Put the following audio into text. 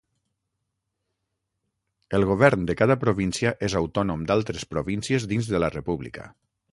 El govern de cada província és autònom d'altres províncies dins de la República.